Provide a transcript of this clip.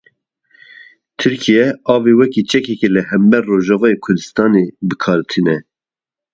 Tirkiye avê wekî çekekê li hember Rojavayê Kurdistanê bi kar tîne.